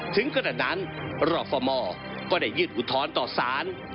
ถึงขนาดนั้นรอฟมก็ได้ยื่นอุทธรณ์ต่อสาร